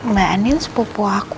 mbak andin sepupu aku